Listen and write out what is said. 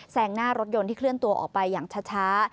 งหน้ารถยนต์ที่เคลื่อนตัวออกไปอย่างช้า